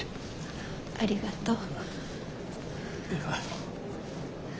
ありがとう。